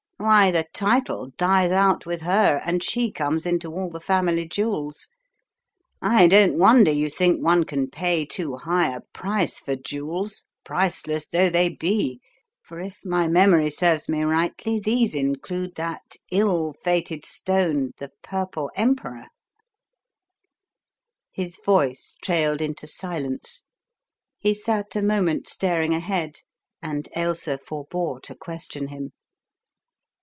Why, the title dies out with her, 10 The Riddle of the Purple Emperor and she comes into all the family jewels. I don't wonder you think one can pay too high a price for jewels, priceless though they be, for if my memory serves me rightly, these include that ill fated stone, the Purple Emperor " His voice trailed into silence, he sat a moment staring ahead, and Ailsa forbore to question him.